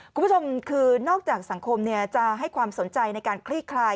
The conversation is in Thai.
คุณผู้ชมคือนอกจากสังคมจะให้ความสนใจในการคลี่คลาย